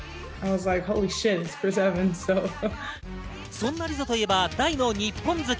そんなリゾといえば大の日本好き。